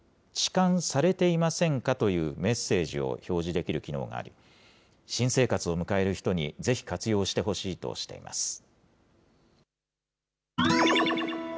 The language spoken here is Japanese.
ちかんされていませんか？というメッセージを表示できる機能があり、新生活を迎える人にぜひ活用してほしいとしています。